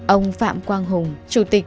ông phạm quang hùng chủ tịch thị trạng